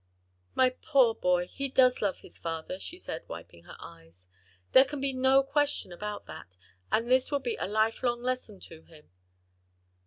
"My poor boy; he does love his father," she said, wiping her eyes. "There can be no question about that, and this will be a life long lesson to him."